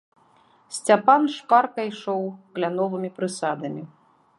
Сцяпан шпарка ішоў кляновымі прысадамі.